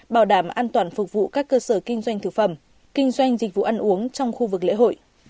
bảo đảm an toàn phục vụ các cơ sở kinh doanh thực phẩm kinh doanh dịch vụ ăn uống trong khu vực lễ hội